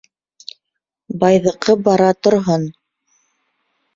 Байҙыҡы бара торһон